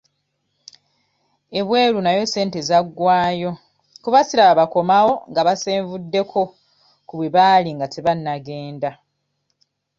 Ebweru nayo ssente zaggwayo kuba siraba bakomawo nga basenvuddeko ku bwe baali nga tebannagenda.